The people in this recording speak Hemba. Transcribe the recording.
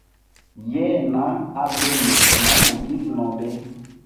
Yena abeli nda mugisi nobe.